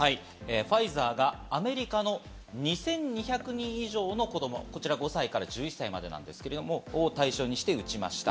ファイザーがアメリカの２２００人以上の子供、５歳から１１歳までを対象にして打ちました。